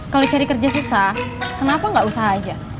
kalau cari kerja susah kenapa gak usah aja